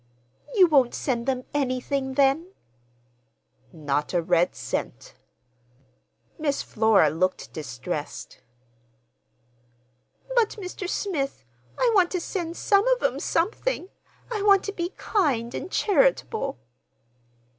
"You won't send them anything, then?" "Not a red cent." Miss Flora looked distressed. "But, Mr. Smith, I want to send some of 'em something! I want to be kind and charitable."